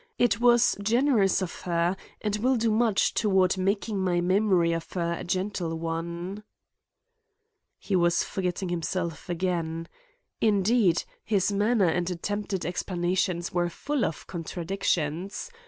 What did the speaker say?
It was generous of her and will do much toward making my memory of her a gentle one." He was forgetting himself again. Indeed, his manner and attempted explanations were full of contradictions.